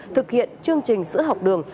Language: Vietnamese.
thực hiện chương trình sữa học đường